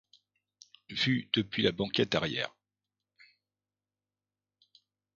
vue depuis la banquette arrière.